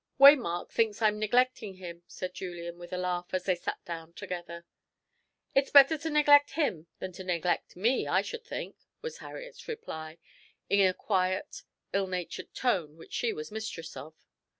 "Waymark thinks I'm neglecting him," said Julian, with a laugh, as they sat down together. "It's better to neglect him than to neglect me, I should think," was Harriet's reply, in a quiet ill natured tone which she was mistress of.